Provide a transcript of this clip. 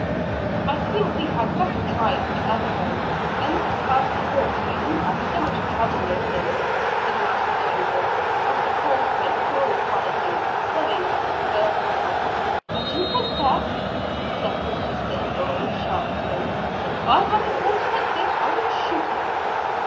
"I think we had better try the other road, and not pass the forks where you had so much trouble with him," said Master Joseph, as the horse went more quietly, going up the first hill. "As you think best," said his sister in law, in a sharp tone, "If I had a horse like this I would shoot him!"